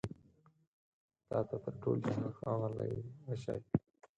تا ته تر ټول جهان ښاغلي بچي